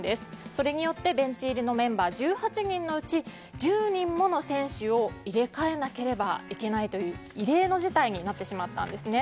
それによってベンチ入りのメンバー１８人のうち１０人もの選手を入れ替えなければいけないという異例の事態になってしまったんですね。